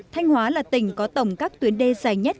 thanh hóa là tỉnh có tổng các tuyến đê dài nhất